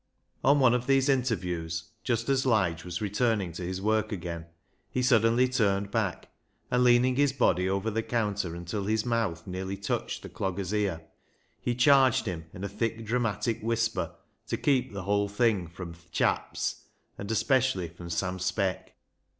On one of these interviews, just as Lige was returning to his work again, he suddenly turned back, and leaning his body over the counter until his mouth nearly touched the dogger's ear, he charged him in a thick dramatic whisper i84 BECKSIDE LIGHTS to keep the whole thing from " th' chaps," and especially from Sam Speck.